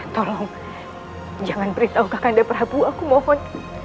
tolong jangan beritahu kakanda prabu aku mohon